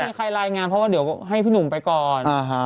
มีใครรายงานเพราะว่าเดี๋ยวให้พี่หนุ่มไปก่อน